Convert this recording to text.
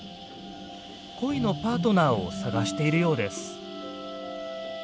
恋のパートナーを探しているようです。